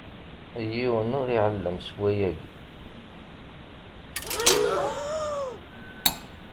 Yiwen ur iɛellem s wayagi!